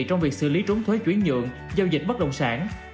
trong việc xử lý trốn thuế chuyển nhượng giao dịch bất động sản